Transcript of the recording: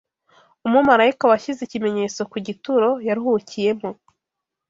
umurayika washyize ikimenyetso ku gituro yaruhukiyemo